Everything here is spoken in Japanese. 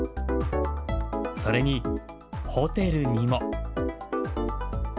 それにホテルにも。